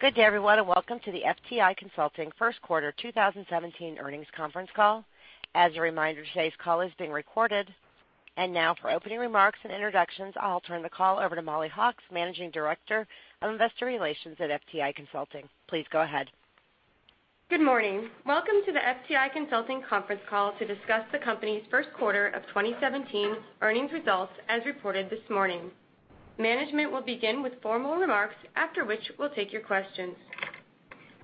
Good day everyone, and welcome to the FTI Consulting first quarter 2017 earnings conference call. As a reminder, today's call is being recorded. Now for opening remarks and introductions, I'll turn the call over to Mollie Hawkes, Managing Director of Investor Relations at FTI Consulting. Please go ahead. Good morning. Welcome to the FTI Consulting conference call to discuss the company's first quarter of 2017 earnings results, as reported this morning. Management will begin with formal remarks, after which we'll take your questions.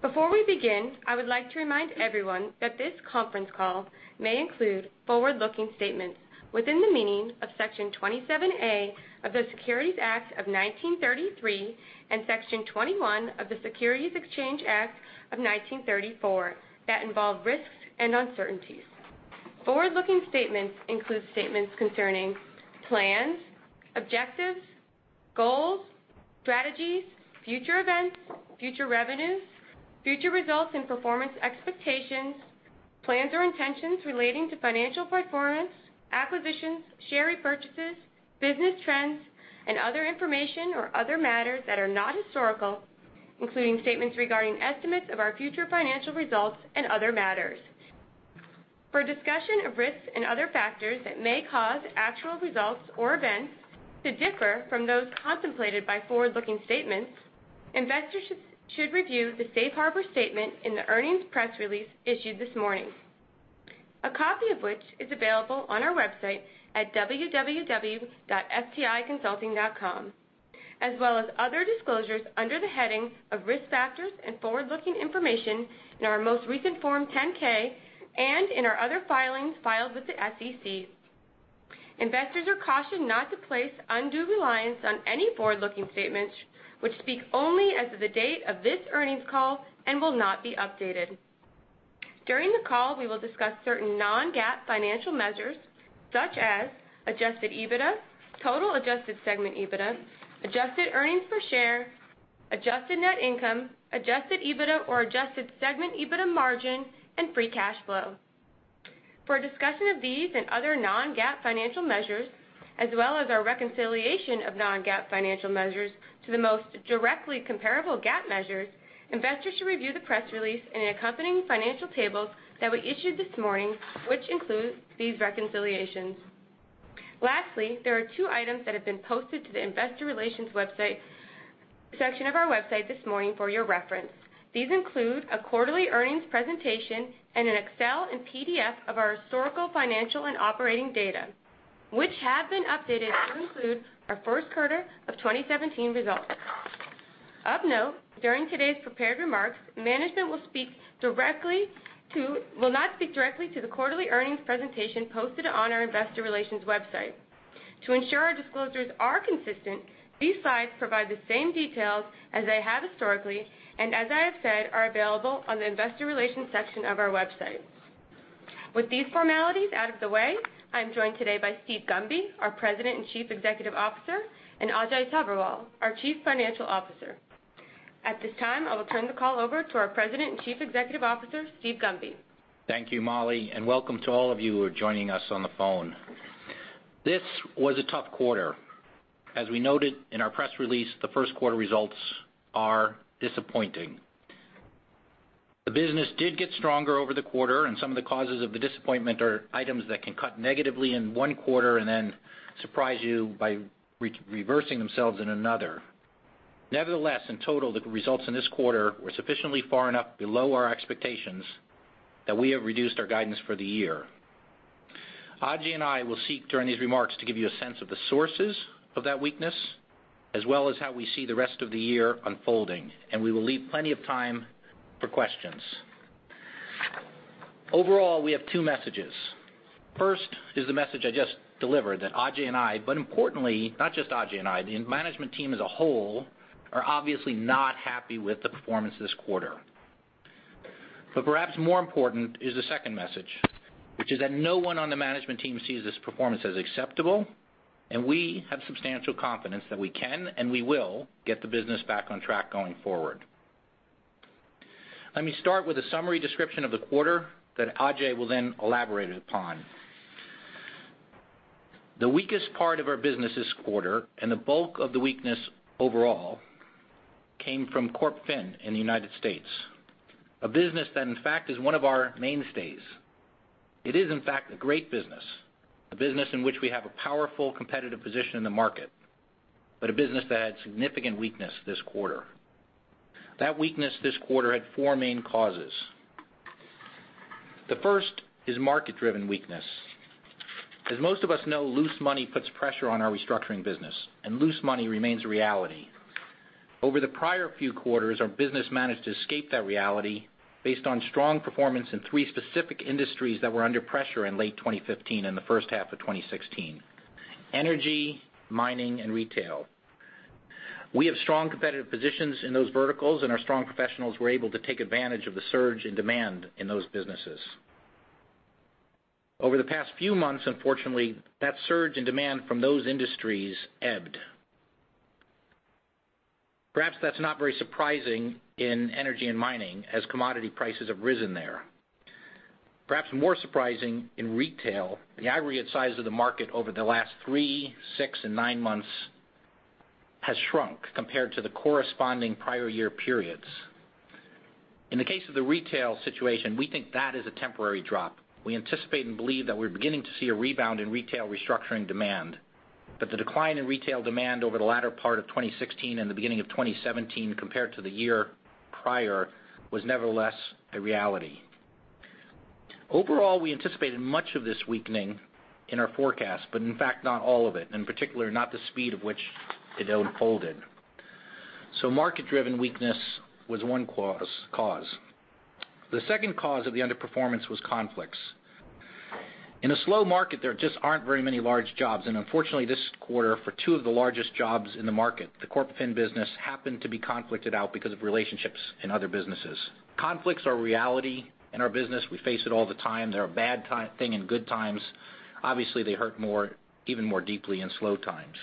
Before we begin, I would like to remind everyone that this conference call may include forward-looking statements within the meaning of Section 27A of the Securities Act of 1933 and Section 21 of the Securities Exchange Act of 1934 that involve risks and uncertainties. Forward-looking statements include statements concerning plans, objectives, goals, strategies, future events, future revenues, future results and performance expectations, plans or intentions relating to financial performance, acquisitions, share repurchases, business trends, and other information or other matters that are not historical, including statements regarding estimates of our future financial results and other matters. For a discussion of risks and other factors that may cause actual results or events to differ from those contemplated by forward-looking statements, investors should review the safe harbor statement in the earnings press release issued this morning, a copy of which is available on our website at www.fticonsulting.com, as well as other disclosures under the headings of Risk Factors and Forward-Looking Information in our most recent Form 10-K and in our other filings filed with the SEC. Investors are cautioned not to place undue reliance on any forward-looking statements which speak only as of the date of this earnings call and will not be updated. During the call, we will discuss certain non-GAAP financial measures such as adjusted EBITDA, total adjusted segment EBITDA, adjusted earnings per share, adjusted net income, adjusted EBITDA or adjusted segment EBITDA margin, and free cash flow. For a discussion of these and other non-GAAP financial measures, as well as our reconciliation of non-GAAP financial measures to the most directly comparable GAAP measures, investors should review the press release and accompanying financial tables that we issued this morning, which includes these reconciliations. Lastly, there are two items that have been posted to the investor relations section of our website this morning for your reference. These include a quarterly earnings presentation and an Excel and PDF of our historical, financial, and operating data, which have been updated to include our first quarter of 2017 results. Of note, during today's prepared remarks, management will not speak directly to the quarterly earnings presentation posted on our investor relations website. To ensure our disclosures are consistent, these slides provide the same details as they have historically, and as I have said, are available on the investor relations section of our website. With these formalities out of the way, I'm joined today by Steve Gunby, our President and Chief Executive Officer, and Ajay Sabherwal, our Chief Financial Officer. At this time, I will turn the call over to our President and Chief Executive Officer, Steve Gunby. Thank you, Mollie, and welcome to all of you who are joining us on the phone. This was a tough quarter. As we noted in our press release, the first quarter results are disappointing. The business did get stronger over the quarter, and some of the causes of the disappointment are items that can cut negatively in one quarter and then surprise you by reversing themselves in another. Nevertheless, in total, the results in this quarter were sufficiently far enough below our expectations that we have reduced our guidance for the year. Ajay and I will seek during these remarks to give you a sense of the sources of that weakness, as well as how we see the rest of the year unfolding, and we will leave plenty of time for questions. Overall, we have two messages. First is the message I just delivered that Ajay and I, but importantly, not just Ajay and I, the management team as a whole are obviously not happy with the performance this quarter. Perhaps more important is the second message, which is that no one on the management team sees this performance as acceptable, and we have substantial confidence that we can and we will get the business back on track going forward. Let me start with a summary description of the quarter that Ajay will then elaborate upon. The weakest part of our business this quarter, and the bulk of the weakness overall, came from CorpFin in the United States, a business that in fact is one of our mainstays. It is, in fact, a great business, a business in which we have a powerful competitive position in the market, but a business that had significant weakness this quarter. That weakness this quarter had four main causes. The first is market-driven weakness. As most of us know, loose money puts pressure on our Restructuring business, and loose money remains a reality. Over the prior few quarters, our business managed to escape that reality based on strong performance in three specific industries that were under pressure in late 2015 and the first half of 2016: energy, mining, and retail. We have strong competitive positions in those verticals, and our strong professionals were able to take advantage of the surge in demand in those businesses. Over the past few months, unfortunately, that surge in demand from those industries ebbed. Perhaps that's not very surprising in energy and mining, as commodity prices have risen there. Perhaps more surprising in retail, the aggregate size of the market over the last three, six, and nine months has shrunk compared to the corresponding prior year periods. In the case of the retail situation, we think that is a temporary drop. We anticipate and believe that we're beginning to see a rebound in retail restructuring demand, but the decline in retail demand over the latter part of 2016 and the beginning of 2017 compared to the year prior was nevertheless a reality. Overall, we anticipated much of this weakening in our forecast, but in fact, not all of it, in particular, not the speed of which it unfolded. Market-driven weakness was one cause. The second cause of the underperformance was conflicts. In a slow market, there just aren't very many large jobs, and unfortunately, this quarter, for two of the largest jobs in the market, the CorpFin business happened to be conflicted out because of relationships in other businesses. Conflicts are a reality in our business. We face it all the time. They're a bad thing in good times. Obviously, they hurt even more deeply in slow times.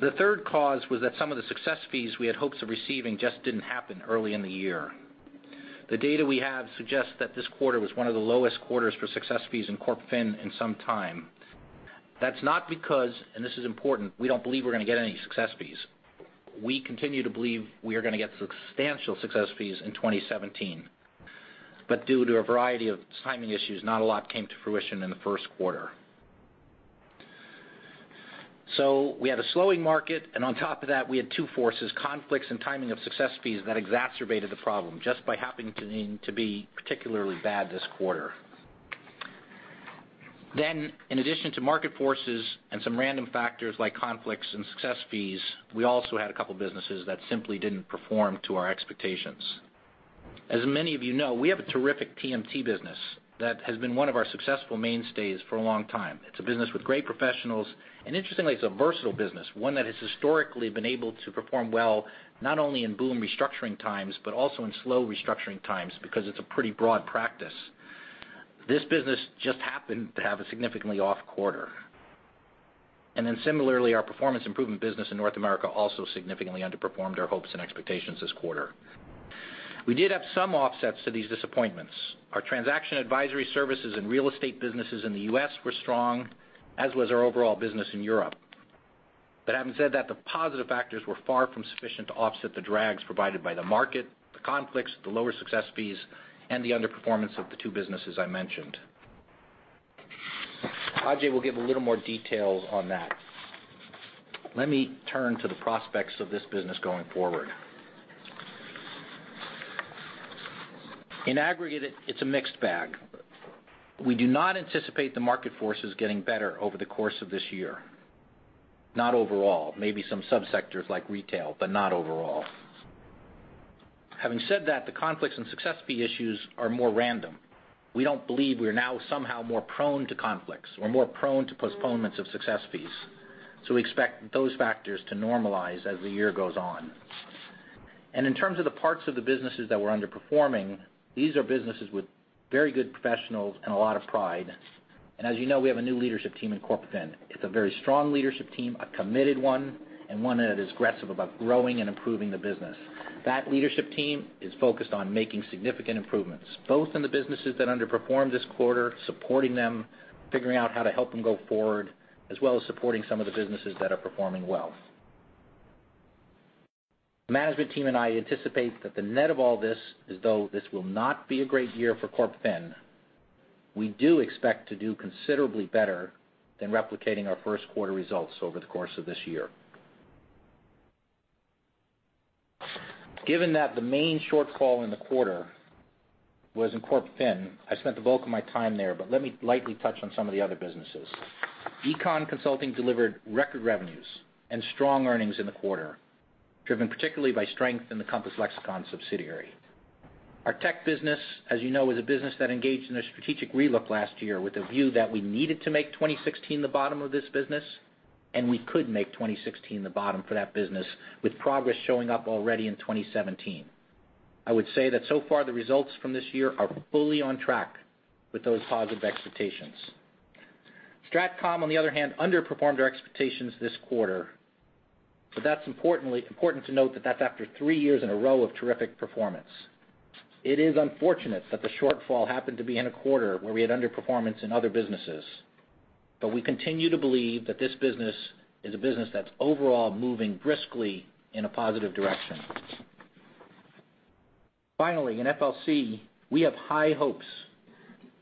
The third cause was that some of the success fees we had hopes of receiving just didn't happen early in the year. The data we have suggests that this quarter was one of the lowest quarters for success fees in CorpFin in some time. That's not because, and this is important, we don't believe we're going to get any success fees. We continue to believe we are going to get substantial success fees in 2017. Due to a variety of timing issues, not a lot came to fruition in the first quarter. We had a slowing market, and on top of that, we had two forces, conflicts and timing of success fees, that exacerbated the problem just by happening to be particularly bad this quarter. In addition to market forces and some random factors like conflicts and success fees, we also had a couple of businesses that simply didn't perform to our expectations. As many of you know, we have a terrific TMT business that has been one of our successful mainstays for a long time. It's a business with great professionals, and interestingly, it's a versatile business, one that has historically been able to perform well, not only in boom restructuring times, but also in slow restructuring times because it's a pretty broad practice. This business just happened to have a significantly off quarter. Similarly, our performance improvement business in North America also significantly underperformed our hopes and expectations this quarter. We did have some offsets to these disappointments. Our transaction advisory services and real estate businesses in the U.S. were strong, as was our overall business in Europe. Having said that, the positive factors were far from sufficient to offset the drags provided by the market, the conflicts, the lower success fees, and the underperformance of the two businesses I mentioned. Ajay will give a little more details on that. Let me turn to the prospects of this business going forward. In aggregate, it's a mixed bag. We do not anticipate the market forces getting better over the course of this year. Not overall, maybe some subsectors like retail, but not overall. Having said that, the conflicts and success fee issues are more random. We don't believe we are now somehow more prone to conflicts or more prone to postponements of success fees. We expect those factors to normalize as the year goes on. In terms of the parts of the businesses that were underperforming, these are businesses with very good professionals and a lot of pride. As you know, we have a new leadership team in CorpFin. It's a very strong leadership team, a committed one, and one that is aggressive about growing and improving the business. That leadership team is focused on making significant improvements, both in the businesses that underperformed this quarter, supporting them, figuring out how to help them go forward, as well as supporting some of the businesses that are performing well. The management team and I anticipate that the net of all this is, though, this will not be a great year for CorpFin, we do expect to do considerably better than replicating our first quarter results over the course of this year. Given that the main shortfall in the quarter was in CorpFin, I spent the bulk of my time there. Let me lightly touch on some of the other businesses. Econ consulting delivered record revenues and strong earnings in the quarter, driven particularly by strength in the Compass Lexecon subsidiary. Our tech business, as you know, is a business that engaged in a strategic relook last year with a view that we needed to make 2016 the bottom of this business, and we could make 2016 the bottom for that business with progress showing up already in 2017. I would say that so far the results from this year are fully on track with those positive expectations. StratCom, on the other hand, underperformed our expectations this quarter. That's important to note that that's after three years in a row of terrific performance. It is unfortunate that the shortfall happened to be in a quarter where we had underperformance in other businesses. We continue to believe that this business is a business that's overall moving briskly in a positive direction. Finally, in FLC, we have high hopes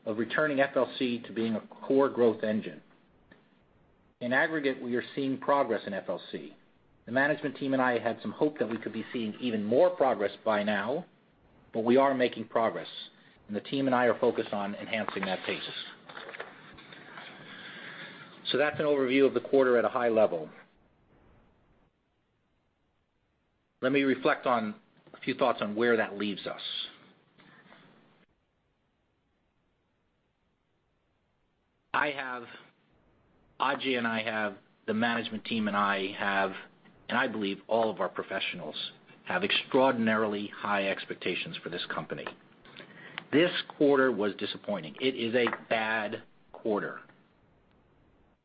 of returning FLC to being a core growth engine. In aggregate, we are seeing progress in FLC. The management team and I had some hope that we could be seeing even more progress by now, but we are making progress, and the team and I are focused on enhancing that pace. That's an overview of the quarter at a high level. Let me reflect on a few thoughts on where that leaves us. I have, Ajay and I have, the management team and I have, and I believe all of our professionals have extraordinarily high expectations for this company. This quarter was disappointing. It is a bad quarter.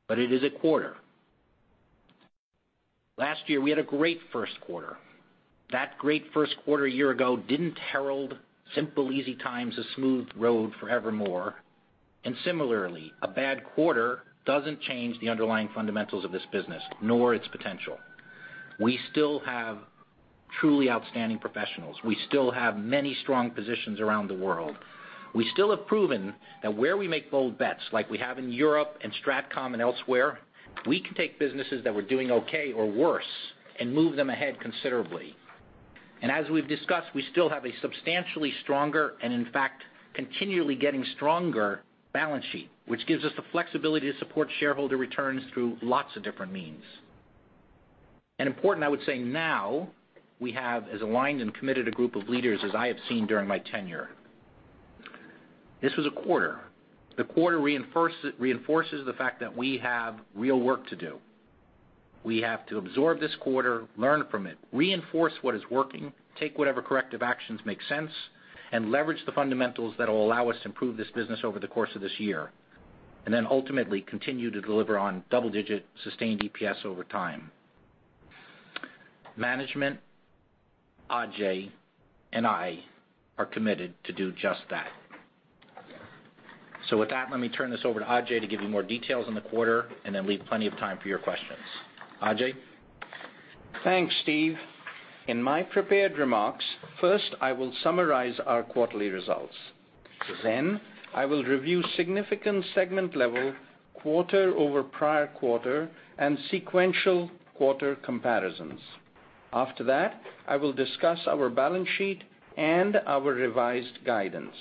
It is a quarter. Last year, we had a great first quarter. That great first quarter a year ago didn't herald simple, easy times, a smooth road forevermore. Similarly, a bad quarter doesn't change the underlying fundamentals of this business, nor its potential. We still have truly outstanding professionals. We still have many strong positions around the world. We still have proven that where we make bold bets, like we have in Europe, StratCom, and elsewhere, we can take businesses that were doing okay or worse and move them ahead considerably. As we've discussed, we still have a substantially stronger, and in fact, continually getting stronger balance sheet, which gives us the flexibility to support shareholder returns through lots of different means. Important, I would say now, we have as aligned and committed a group of leaders as I have seen during my tenure. This was a quarter. The quarter reinforces the fact that we have real work to do. We have to absorb this quarter, learn from it, reinforce what is working, take whatever corrective actions make sense, and leverage the fundamentals that will allow us to improve this business over the course of this year. Ultimately continue to deliver on double-digit sustained EPS over time. Management, Ajay, and I are committed to do just that. With that, let me turn this over to Ajay to give you more details on the quarter and then leave plenty of time for your questions. Ajay? Thanks, Steve. In my prepared remarks, first, I will summarize our quarterly results. I will review significant segment-level quarter over prior quarter and sequential quarter comparisons. After that, I will discuss our balance sheet and our revised guidance.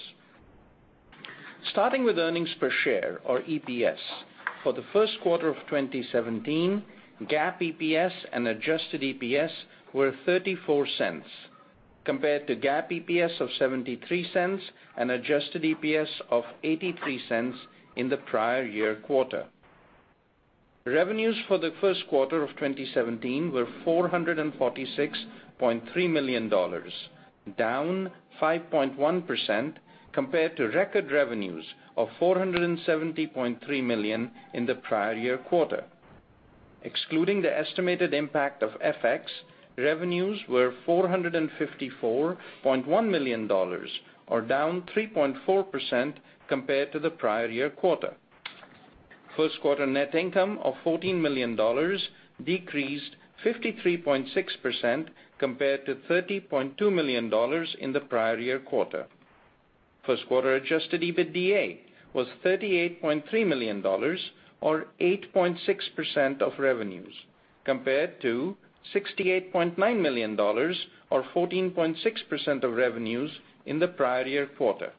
Starting with earnings per share or EPS. For the first quarter of 2017, GAAP EPS and adjusted EPS were $0.34 compared to GAAP EPS of $0.73 and adjusted EPS of $0.83 in the prior year quarter. Revenues for the first quarter of 2017 were $446.3 million, down 5.1% compared to record revenues of $470.3 million in the prior year quarter. Excluding the estimated impact of FX, revenues were $454.1 million, or down 3.4% compared to the prior year quarter. First quarter net income of $14 million decreased 53.6% compared to $30.2 million in the prior year quarter. First quarter adjusted EBITDA was $38.3 million or 8.6% of revenues, compared to $68.9 million or 14.6% of revenues in the prior year quarter.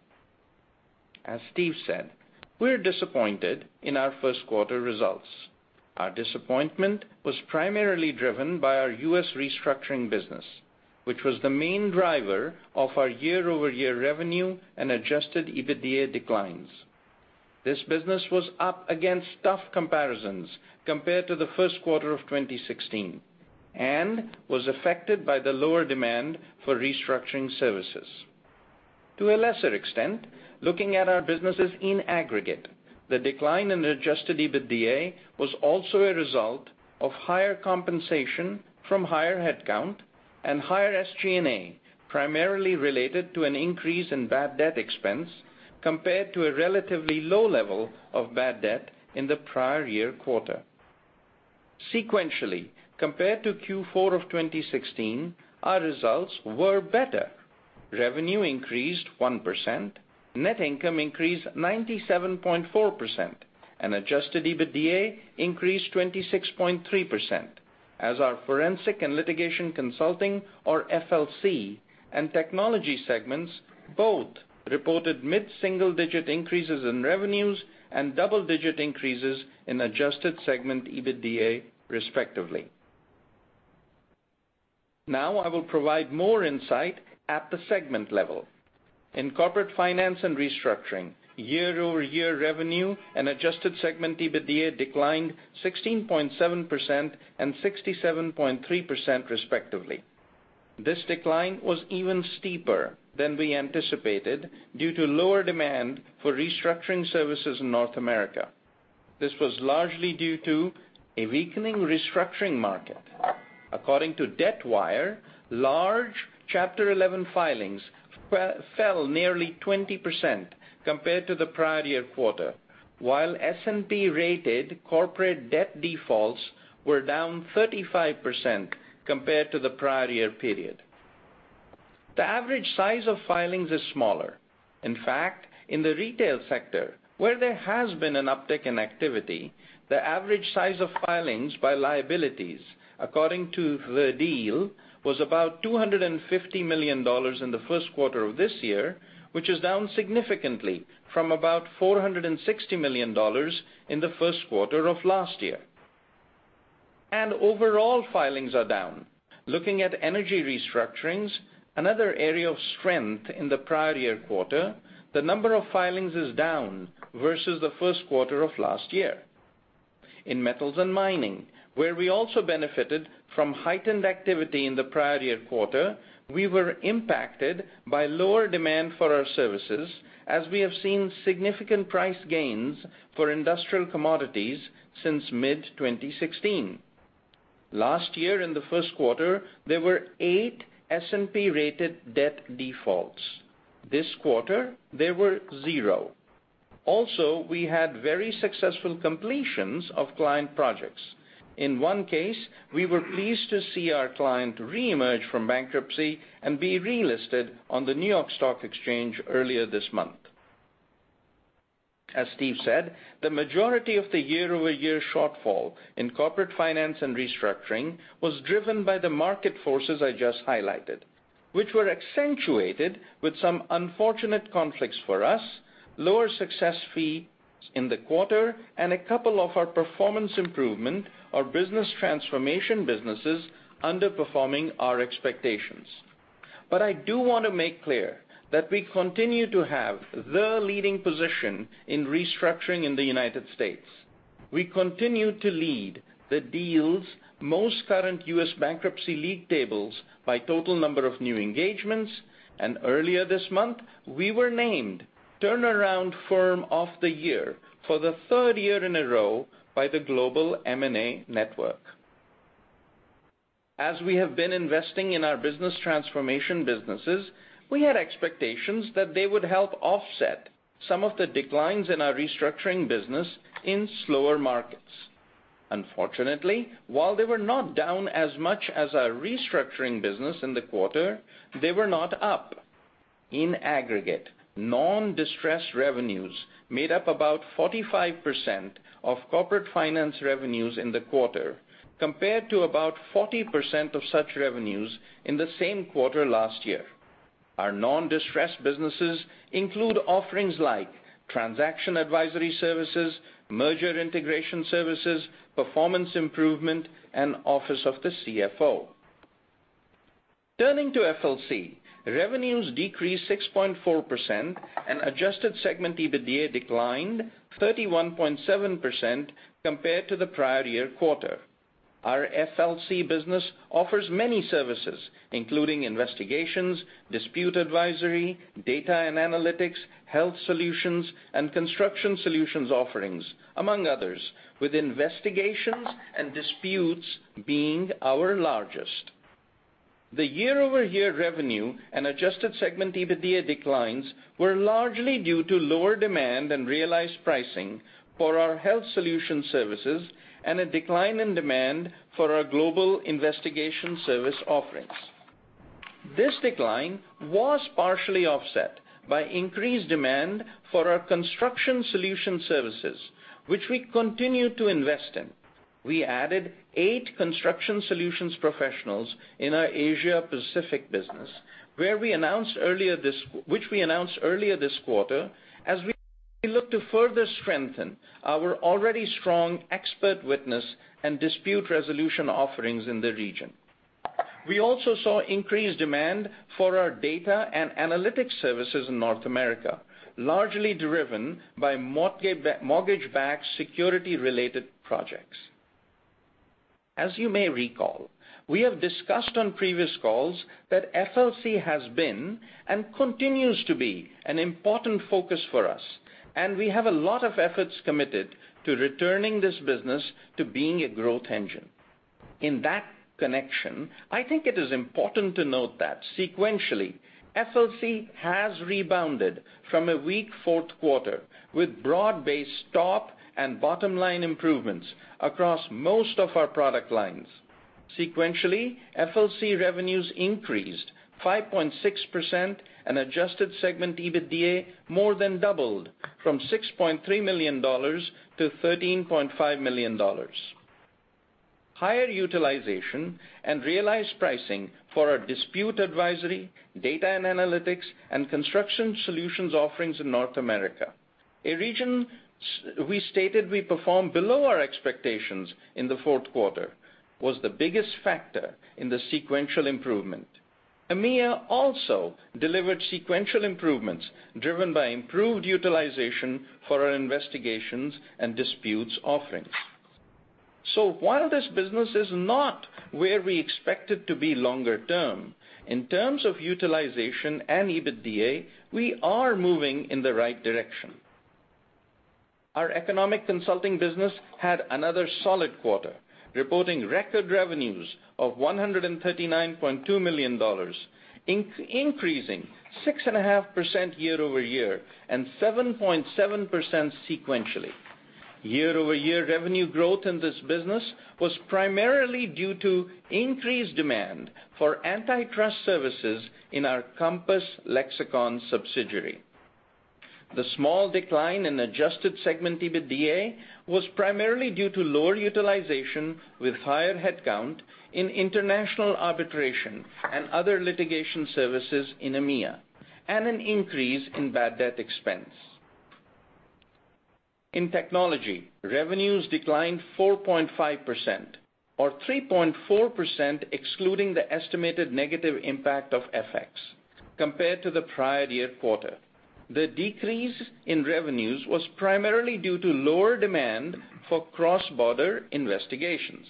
As Steve said, we're disappointed in our first quarter results. Our disappointment was primarily driven by our U.S. Restructuring business, which was the main driver of our year-over-year revenue and adjusted EBITDA declines. This business was up against tough comparisons compared to the first quarter of 2016 and was affected by the lower demand for Restructuring services. To a lesser extent, looking at our businesses in aggregate, the decline in adjusted EBITDA was also a result of higher compensation from higher headcount and higher SG&A, primarily related to an increase in bad debt expense, compared to a relatively low level of bad debt in the prior year quarter. Sequentially, compared to Q4 of 2016, our results were better. Revenue increased 1%, net income increased 97.4%, and adjusted EBITDA increased 26.3%, as our forensic and litigation consulting or FLC and Technology segments both reported mid-single-digit increases in revenues and double-digit increases in adjusted segment EBITDA, respectively. I will provide more insight at the segment level. In Corporate Finance & Restructuring, year-over-year revenue and adjusted segment EBITDA declined 16.7% and 67.3% respectively. This decline was even steeper than we anticipated due to lower demand for Restructuring services in North America. This was largely due to a weakening Restructuring market. According to Debtwire, large Chapter 11 filings fell nearly 20% compared to the prior year quarter, while S&P-rated corporate debt defaults were down 35% compared to the prior year period. The average size of filings is smaller. In fact, in the retail sector, where there has been an uptick in activity, the average size of filings by liabilities, according to The Deal, was about $250 million in the first quarter of this year, which is down significantly from about $460 million in the first quarter of last year. Overall filings are down. Looking at energy restructurings, another area of strength in the prior year quarter, the number of filings is down versus the first quarter of last year. In metals and mining, where we also benefited from heightened activity in the prior year quarter, we were impacted by lower demand for our services as we have seen significant price gains for industrial commodities since mid-2016. Last year in the first quarter, there were eight S&P-rated debt defaults. This quarter, there were zero. We had very successful completions of client projects. In one case, we were pleased to see our client reemerge from bankruptcy and be relisted on the New York Stock Exchange earlier this month. As Steve said, the majority of the year-over-year shortfall in Corporate Finance & Restructuring was driven by the market forces I just highlighted, which were accentuated with some unfortunate conflicts for us, lower success fees in the quarter, and a couple of our performance improvement or business transformation businesses underperforming our expectations. I do want to make clear that we continue to have the leading position in restructuring in the United States. We continue to lead The Deal's most current U.S. bankruptcy league tables by total number of new engagements, and earlier this month, we were named Turnaround Firm of the Year for the third year in a row by the Global M&A Network. As we have been investing in our business transformation businesses, we had expectations that they would help offset some of the declines in our Restructuring business in slower markets. Unfortunately, while they were not down as much as our Restructuring business in the quarter, they were not up. In aggregate, non-distressed revenues made up about 45% of Corporate Finance revenues in the quarter, compared to about 40% of such revenues in the same quarter last year. Our non-distressed businesses include offerings like transaction advisory services, merger integration services, performance improvement, and office of the CFO. Turning to FLC, revenues decreased 6.4%, and adjusted segment EBITDA declined 31.7% compared to the prior year quarter. Our FLC business offers many services, including investigations, dispute advisory, data and analytics, health solutions, and construction solutions offerings, among others, with investigations and disputes being our largest. The year-over-year revenue and adjusted segment EBITDA declines were largely due to lower demand and realized pricing for our health solution services and a decline in demand for our global investigation service offerings. This decline was partially offset by increased demand for our construction solution services, which we continue to invest in. We added eight construction solutions professionals in our Asia Pacific business, which we announced earlier this quarter as we look to further strengthen our already strong expert witness and dispute resolution offerings in the region. We also saw increased demand for our data and analytics services in North America, largely driven by mortgage-backed security-related projects. As you may recall, we have discussed on previous calls that FLC has been and continues to be an important focus for us, and we have a lot of efforts committed to returning this business to being a growth engine. In that connection, I think it is important to note that sequentially, FLC has rebounded from a weak fourth quarter with broad-based top and bottom-line improvements across most of our product lines. Sequentially, FLC revenues increased 5.6%, and adjusted segment EBITDA more than doubled from $6.3 million to $13.5 million. Higher utilization and realized pricing for our dispute advisory, data and analytics, and construction solutions offerings in North America, a region we stated we performed below our expectations in the fourth quarter, was the biggest factor in the sequential improvement. EMEA also delivered sequential improvements driven by improved utilization for our investigations and disputes offerings. While this business is not where we expect it to be longer term, in terms of utilization and EBITDA, we are moving in the right direction. Our economic consulting business had another solid quarter, reporting record revenues of $139.2 million, increasing 6.5% year-over-year and 7.7% sequentially. Year-over-year revenue growth in this business was primarily due to increased demand for antitrust services in our Compass Lexecon subsidiary. The small decline in adjusted segment EBITDA was primarily due to lower utilization with higher headcount in international arbitration and other litigation services in EMEA, and an increase in bad debt expense. In Technology, revenues declined 4.5%, or 3.4% excluding the estimated negative impact of FX, compared to the prior year quarter. The decrease in revenues was primarily due to lower demand for cross-border investigations.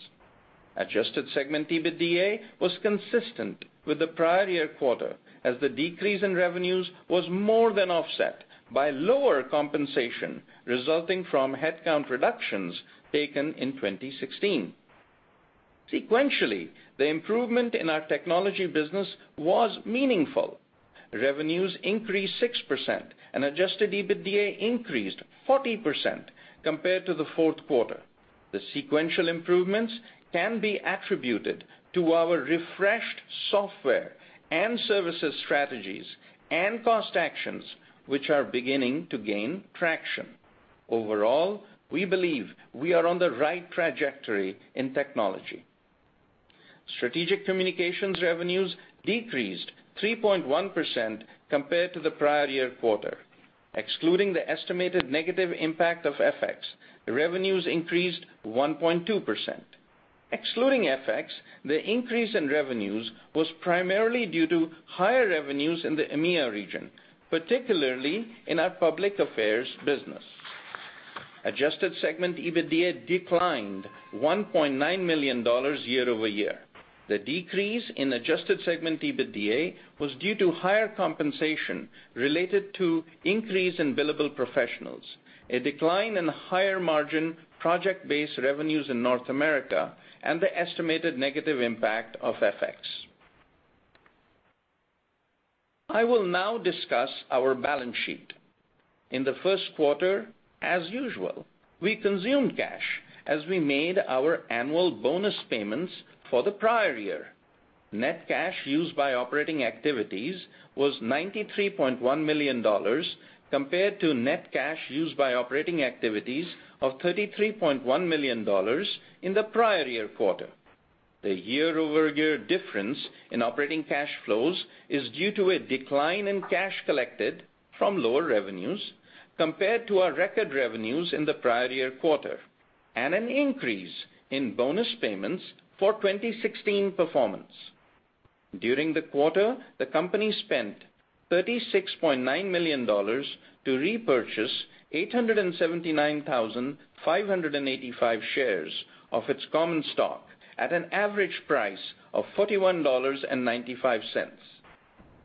Adjusted segment EBITDA was consistent with the prior year quarter as the decrease in revenues was more than offset by lower compensation resulting from headcount reductions taken in 2016. Sequentially, the improvement in our Technology business was meaningful. Revenues increased 6% and adjusted EBITDA increased 40% compared to the fourth quarter. The sequential improvements can be attributed to our refreshed software and services strategies and cost actions, which are beginning to gain traction. Overall, we believe we are on the right trajectory in technology. Strategic Communications revenues decreased 3.1% compared to the prior year quarter. Excluding the estimated negative impact of FX, the revenues increased 1.2%. Excluding FX, the increase in revenues was primarily due to higher revenues in the EMEIA region, particularly in our public affairs business. Adjusted segment EBITDA declined $1.9 million year-over-year. The decrease in adjusted segment EBITDA was due to higher compensation related to increase in billable professionals, a decline in higher margin project-based revenues in North America, and the estimated negative impact of FX. I will now discuss our balance sheet. In the first quarter, as usual, we consumed cash as we made our annual bonus payments for the prior year. Net cash used by operating activities was $93.1 million, compared to net cash used by operating activities of $33.1 million in the prior year quarter. The year-over-year difference in operating cash flows is due to a decline in cash collected from lower revenues compared to our record revenues in the prior year quarter, and an increase in bonus payments for 2016 performance. During the quarter, the company spent $36.9 million to repurchase 879,585 shares of its common stock at an average price of $41.95.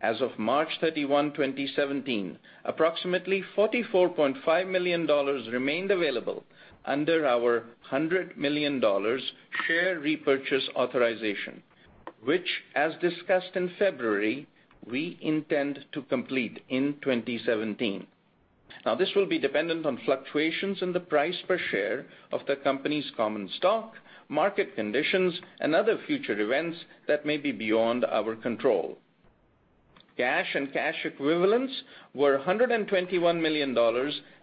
As of March 31, 2017, approximately $44.5 million remained available under our $100 million share repurchase authorization, which, as discussed in February, we intend to complete in 2017. This will be dependent on fluctuations in the price per share of the company's common stock, market conditions, and other future events that may be beyond our control. Cash and cash equivalents were $121 million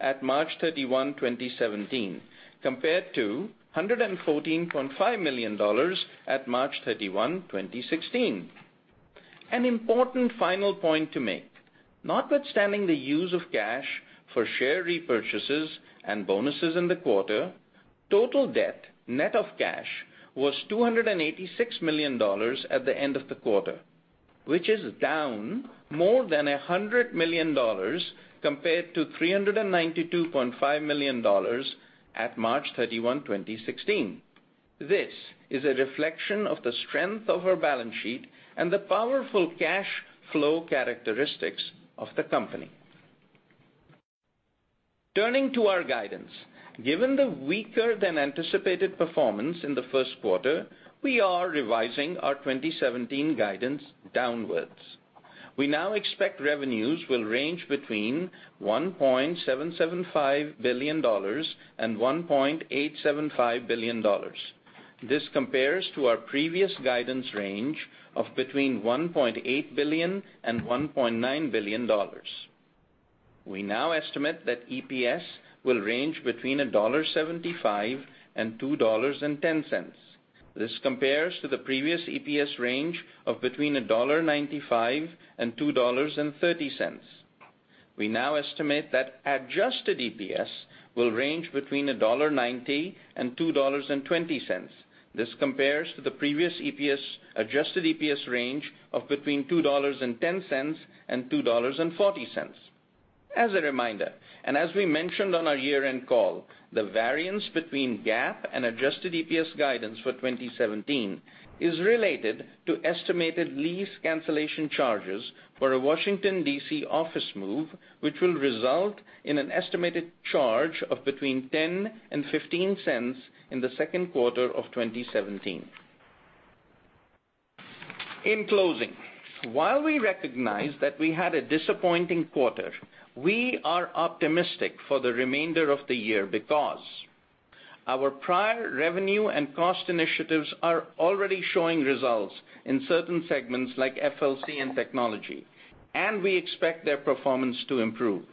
at March 31, 2017, compared to $114.5 million at March 31, 2016. An important final point to make. Notwithstanding the use of cash for share repurchases and bonuses in the quarter, total debt net of cash was $286 million at the end of the quarter, which is down more than $100 million compared to $392.5 million at March 31, 2016. This is a reflection of the strength of our balance sheet and the powerful cash flow characteristics of the company. Turning to our guidance. Given the weaker than anticipated performance in the first quarter, we are revising our 2017 guidance downwards. We now expect revenues will range between $1.775 billion-$1.875 billion. This compares to our previous guidance range of between $1.8 billion-$1.9 billion. We now estimate that EPS will range between $1.75-$2.10. This compares to the previous EPS range of between $1.95-$2.30. We now estimate that adjusted EPS will range between $1.90-$2.20. This compares to the previous adjusted EPS range of between $2.10-$2.40. As a reminder, and as we mentioned on our year-end call, the variance between GAAP and adjusted EPS guidance for 2017 is related to estimated lease cancellation charges for a Washington, D.C. office move, which will result in an estimated charge of between $0.10-$0.15 in the second quarter of 2017. In closing, while we recognize that we had a disappointing quarter, we are optimistic for the remainder of the year because our prior revenue and cost initiatives are already showing results in certain segments like FLC and Technology, and we expect their performance to improve.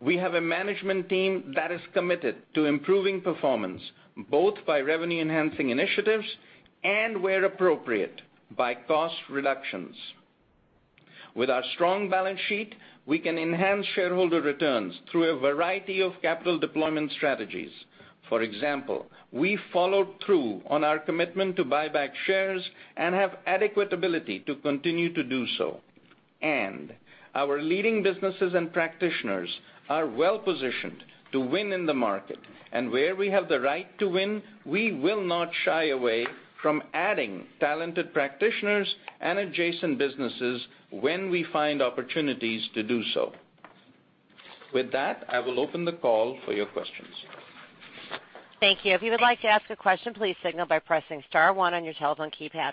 We have a management team that is committed to improving performance, both by revenue-enhancing initiatives and, where appropriate, by cost reductions. With our strong balance sheet, we can enhance shareholder returns through a variety of capital deployment strategies. For example, we followed through on our commitment to buy back shares and have adequate ability to continue to do so. Our leading businesses and practitioners are well-positioned to win in the market. Where we have the right to win, we will not shy away from adding talented practitioners and adjacent businesses when we find opportunities to do so. With that, I will open the call for your questions. Thank you. If you would like to ask a question, please signal by pressing star one on your telephone keypad.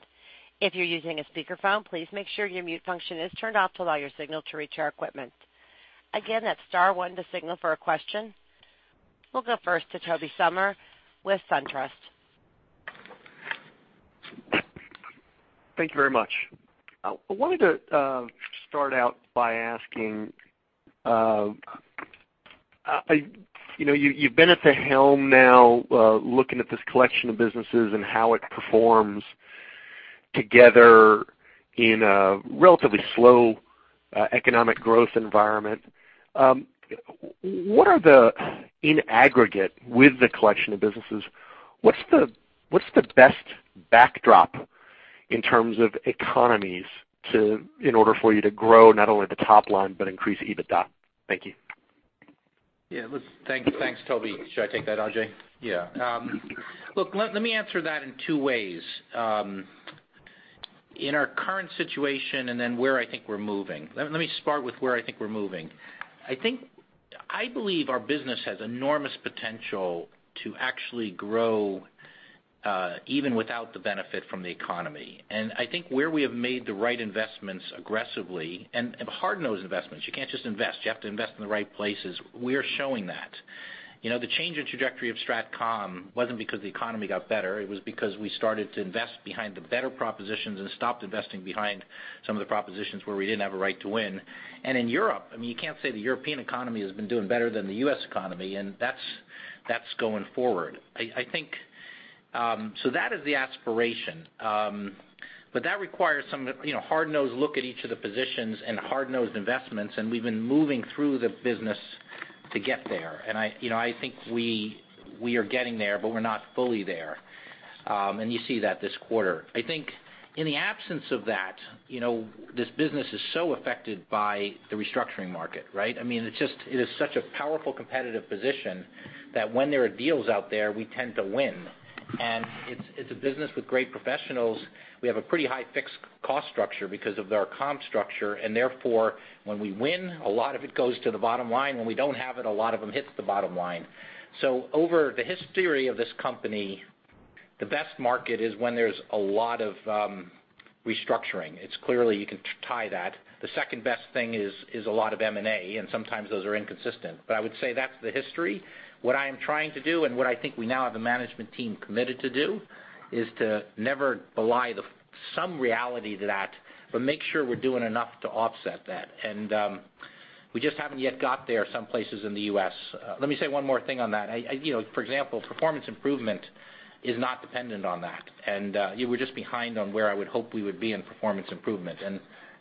If you're using a speakerphone, please make sure your mute function is turned off to allow your signal to reach our equipment. Again, that's star one to signal for a question. We'll go first to Tobey Sommer with SunTrust. Thank you very much. I wanted to start out by asking, you've been at the helm now looking at this collection of businesses and how it performs together in a relatively slow economic growth environment. What are the, in aggregate with the collection of businesses, what's the best backdrop in terms of economies in order for you to grow not only the top line, but increase EBITDA? Thank you. Yeah. Thanks, Tobey. Should I take that, Ajay? Yeah. Look, let me answer that in two ways. In our current situation, and then where I think we're moving. Let me start with where I think we're moving. I believe our business has enormous potential to actually grow, even without the benefit from the economy. I think where we have made the right investments aggressively and hard-nosed investments, you can't just invest. You have to invest in the right places. We are showing that. The change in trajectory of Strategic Communications wasn't because the economy got better. It was because we started to invest behind the better propositions and stopped investing behind some of the propositions where we didn't have a right to win. In Europe, you can't say the European economy has been doing better than the U.S. economy, and that's going forward. That is the aspiration. That requires some hard-nosed look at each of the positions and hard-nosed investments, and we've been moving through the business to get there. I think we are getting there, but we're not fully there. You see that this quarter. I think in the absence of that, this business is so affected by the Restructuring market, right? It is such a powerful competitive position that when there are deals out there, we tend to win. It's a business with great professionals. We have a pretty high fixed cost structure because of our comp structure, and therefore, when we win, a lot of it goes to the bottom line. When we don't have it, a lot of it hits the bottom line. Over the history of this company, the best market is when there's a lot of restructuring. It's clearly you can tie that. The second best thing is a lot of M&A, and sometimes those are inconsistent. I would say that's the history. What I am trying to do and what I think we now have a management team committed to do is to never belie some reality to that, but make sure we're doing enough to offset that. We just haven't yet got there some places in the U.S. Let me say one more thing on that. For example, performance improvement is not dependent on that. We're just behind on where I would hope we would be in performance improvement.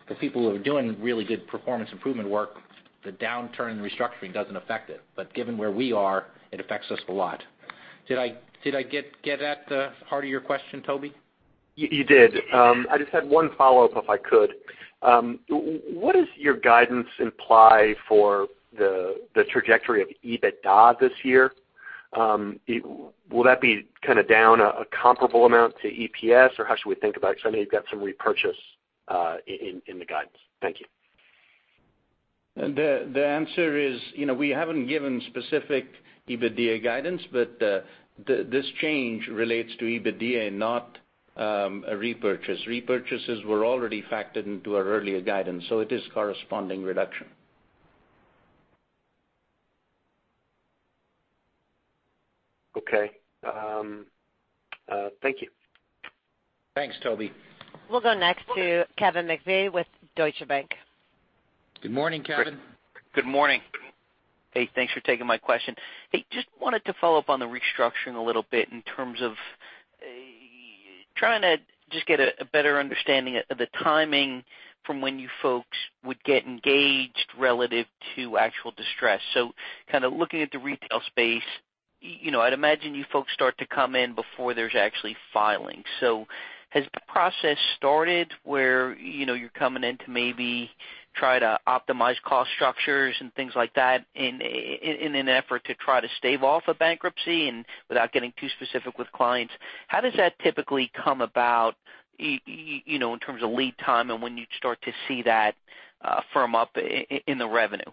The people who are doing really good performance improvement work, the downturn in restructuring doesn't affect it. Given where we are, it affects us a lot. Did I get at the heart of your question, Tobey? You did. I just had one follow-up, if I could. What does your guidance imply for the trajectory of EBITDA this year? Will that be kind of down a comparable amount to EPS, or how should we think about it? Because I know you've got some repurchase in the guidance. Thank you. The answer is, we haven't given specific EBITDA guidance, but this change relates to EBITDA, not a repurchase. Repurchases were already factored into our earlier guidance, it is corresponding reduction. Okay. Thank you. Thanks, Tobey. We'll go next to Kevin McVeigh with Deutsche Bank. Good morning, Kevin. Good morning. Hey, thanks for taking my question. Hey, just wanted to follow up on the restructuring a little bit in terms of trying to just get a better understanding of the timing from when you folks would get engaged relative to actual distress. Kind of looking at the retail space, I'd imagine you folks start to come in before there's actually filings. Has the process started where you're coming in to maybe try to optimize cost structures and things like that in an effort to try to stave off a bankruptcy? Without getting too specific with clients, how does that typically come about in terms of lead time and when you'd start to see that firm up in the revenue?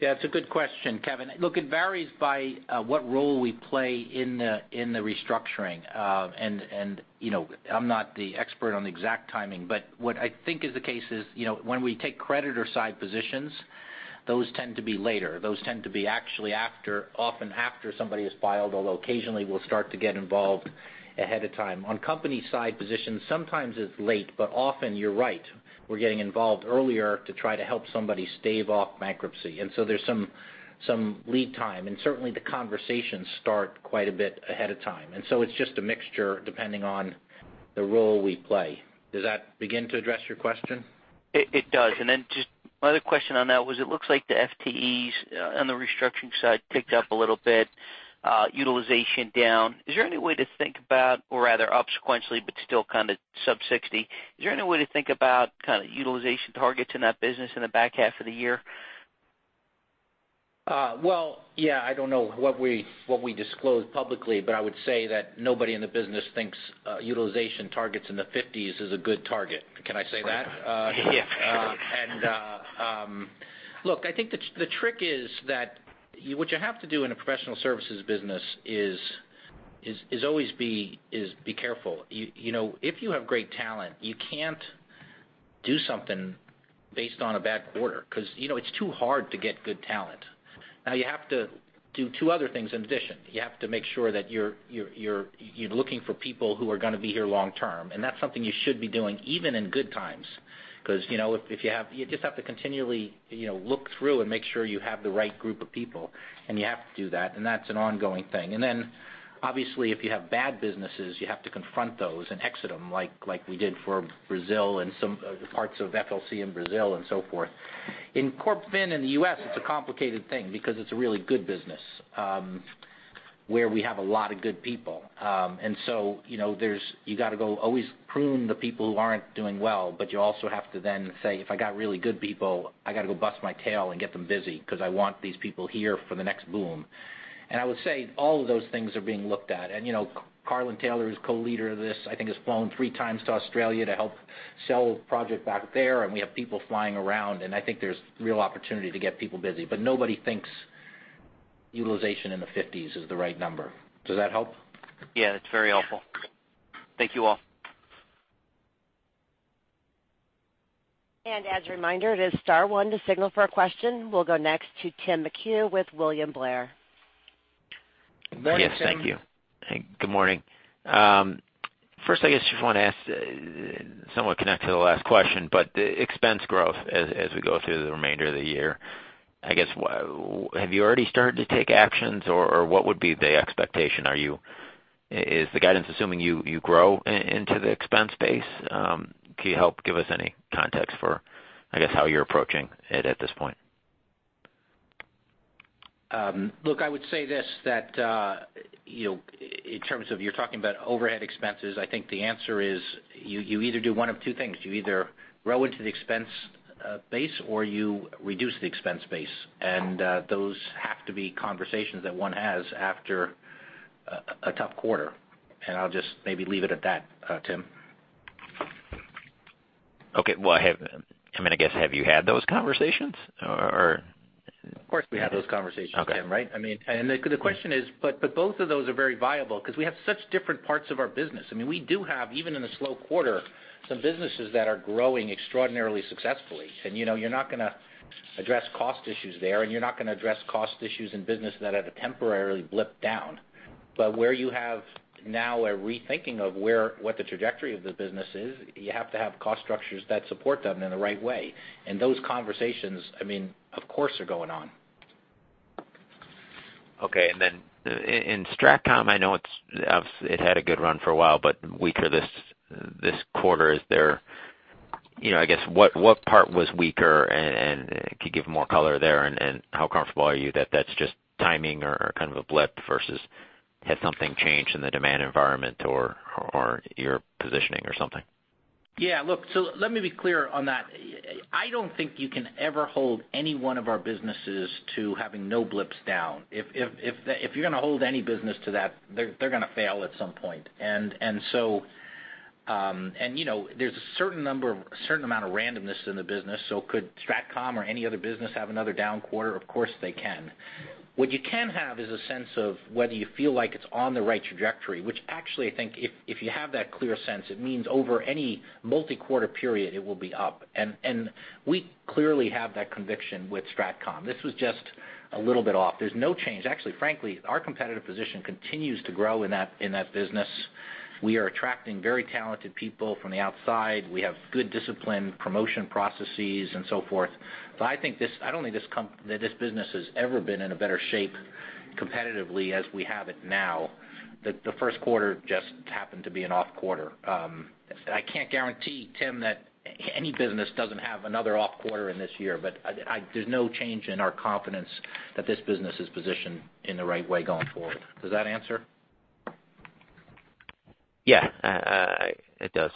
Yeah, it's a good question, Kevin. Look, it varies by what role we play in the restructuring. I'm not the expert on the exact timing, but what I think is the case is when we take creditor side positions, those tend to be later. Those tend to be actually often after somebody has filed, although occasionally we'll start to get involved ahead of time. On company side positions, sometimes it's late, but often you're right. We're getting involved earlier to try to help somebody stave off bankruptcy. There's some lead time, and certainly the conversations start quite a bit ahead of time. It's just a mixture depending on the role we play. Does that begin to address your question? It does. Just my other question on that was it looks like the FTEs on the Restructuring side ticked up a little bit, utilization down. Is there any way to think about or rather up sequentially, but still kind of sub 60? Is there any way to think about kind of utilization targets in that business in the back half of the year? Well, yeah, I don't know what we disclose publicly, but I would say that nobody in the business thinks utilization targets in the 50s is a good target. Can I say that? Yeah. Look, I think the trick is that what you have to do in a professional services business is always be careful. If you have great talent, you can't do something based on a bad quarter, because it's too hard to get good talent. You have to do two other things in addition. You have to make sure that you're looking for people who are going to be here long term, and that's something you should be doing even in good times, because you just have to continually look through and make sure you have the right group of people, and you have to do that, and that's an ongoing thing. Then obviously, if you have bad businesses, you have to confront those and exit them like we did for Brazil and some parts of FLC in Brazil and so forth. In CorpFin in the U.S., it's a complicated thing because it's a really good business where we have a lot of good people. You've got to go always prune the people who aren't doing well, but you also have to then say, "If I got really good people, I got to go bust my tail and get them busy, because I want these people here for the next boom." I would say all of those things are being looked at. Carlyn Taylor, who's co-leader of this, I think, has flown three times to Australia to help sell a project back there, and we have people flying around, and I think there's real opportunity to get people busy. Nobody thinks utilization in the 50s is the right number. Does that help? Yeah, that's very helpful. Thank you all. As a reminder, it is star one to signal for a question. We'll go next to Tim McHugh with William Blair. Go ahead, Tim. Yes, thank you. Good morning. First, I guess just want to ask, somewhat connected to the last question, expense growth as we go through the remainder of the year, I guess, have you already started to take actions or what would be the expectation? Is the guidance assuming you grow into the expense base? Can you help give us any context for, I guess, how you're approaching it at this point? Look, I would say this, that in terms of you're talking about overhead expenses, I think the answer is you either do one of two things. You either grow into the expense base, or you reduce the expense base. Those have to be conversations that one has after a tough quarter. I'll just maybe leave it at that, Tim. Okay. Well, I mean, I guess, have you had those conversations or Of course, we had those conversations, Tim, right? Okay. I mean, the question is, both of those are very viable because we have such different parts of our business. I mean, we do have, even in a slow quarter, some businesses that are growing extraordinarily successfully. You're not going to address cost issues there, and you're not going to address cost issues in business that have temporarily blipped down. Where you have now a rethinking of what the trajectory of the business is, you have to have cost structures that support them in the right way. Those conversations, I mean, of course, are going on. Okay. In Strategic Communications, I know it had a good run for a while, but weaker this quarter. I guess, what part was weaker, and could you give more color there, and how comfortable are you that that's just timing or kind of a blip versus has something changed in the demand environment or your positioning or something? Yeah, look, let me be clear on that. I don't think you can ever hold any one of our businesses to having no blips down. If you're going to hold any business to that, they're going to fail at some point. There's a certain amount of randomness in the business. Could Strategic Communications or any other business have another down quarter? Of course, they can. What you can have is a sense of whether you feel like it's on the right trajectory, which actually, I think if you have that clear sense, it means over any multi-quarter period, it will be up. We clearly have that conviction with Strategic Communications. This was just a little bit off. There's no change. Actually, frankly, our competitive position continues to grow in that business. We are attracting very talented people from the outside. We have good discipline, promotion processes, and so forth. I don't think that this business has ever been in a better shape competitively as we have it now, that the first quarter just happened to be an off quarter. I can't guarantee, Tim, that any business doesn't have another off quarter in this year, but there's no change in our confidence that this business is positioned in the right way going forward. Does that answer? Yeah, it does.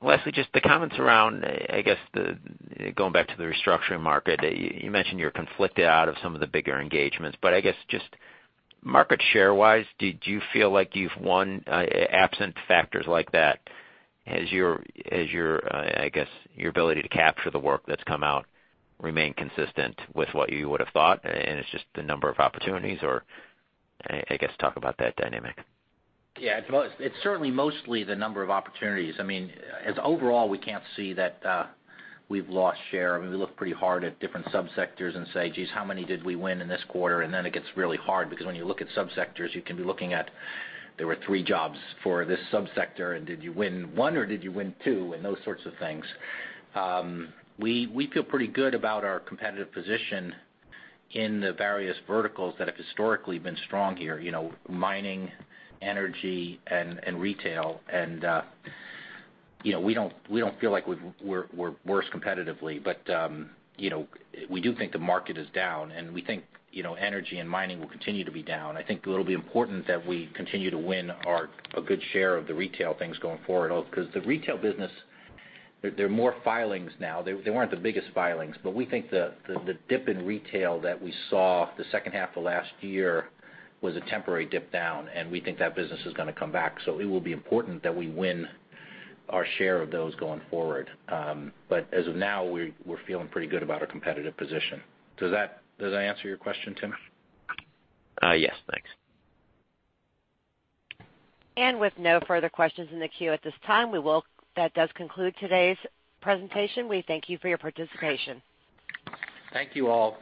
Lastly, just the comments around, I guess, going back to the Restructuring market. You mentioned you're conflicted out of some of the bigger engagements, but I guess just market share-wise, do you feel like you've won absent factors like that? Has your, I guess, your ability to capture the work that's come out remained consistent with what you would have thought, and it's just the number of opportunities, or, I guess, talk about that dynamic. Yeah. It's certainly mostly the number of opportunities. I mean, as overall, we can't see that we've lost share. I mean, we look pretty hard at different subsectors and say, "Geez, how many did we win in this quarter?" It gets really hard because when you look at subsectors, you can be looking at there were three jobs for this subsector, and did you win one or did you win two, and those sorts of things. We feel pretty good about our competitive position in the various verticals that have historically been strong here, mining, energy, and retail. We don't feel like we're worse competitively, but we do think the market is down, and we think energy and mining will continue to be down. I think it'll be important that we continue to win a good share of the retail things going forward because the retail business, there are more filings now. They weren't the biggest filings, but we think the dip in retail that we saw the second half of last year was a temporary dip down, and we think that business is going to come back. It will be important that we win our share of those going forward. As of now, we're feeling pretty good about our competitive position. Does that answer your question, Tim? Yes. Thanks. With no further questions in the queue at this time, that does conclude today's presentation. We thank you for your participation. Thank you all.